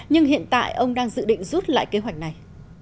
nhưng hiện tại ông đang dự định rút lại kế hoạch này